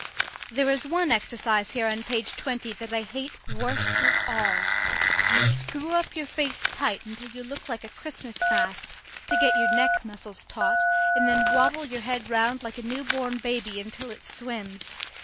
There is one exercise here on page twenty that I hate worst of all. You screw up your face tight until you look like a Christmas mask to get your neck muscles taut, and then wobble your head round like a new born baby until it swims.